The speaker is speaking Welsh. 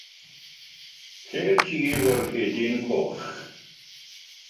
Lle tyf y Rhedyn Goch.....